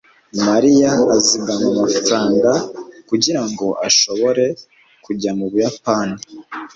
mariya azigama amafaranga kugirango ashobore kujya mu buyapani